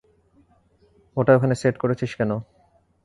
ওটা ওখানে সেট করেছিস কেন?